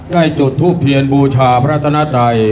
ใกล้จุดทูพเทียนบูชาพระธนไตร